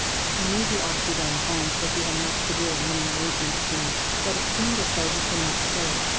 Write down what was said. He knew he ought to be going home, for he had much to do, and many arrangements to make. Yet it seemed as though he could not stir.